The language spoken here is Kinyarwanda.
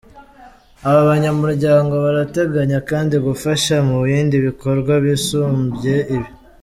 Aba banyamuryango barateganya kandi gufasha mu bindi bikorwa bisumbye ibi.